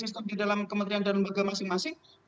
sistem di dalam kementerian dan lembaga masing masing